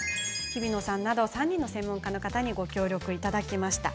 日比野さんなど３人の専門家の方にご協力いただきました。